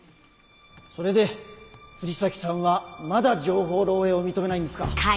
それで藤崎さんはまだ情報漏洩を認めないんですか？